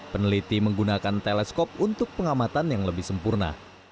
peneliti menggunakan teleskop untuk pengamatan yang lebih sempurna